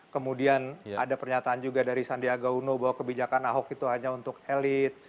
kemudian ada pernyataan juga dari sandiaga uno bahwa kebijakan ahok itu hanya untuk elit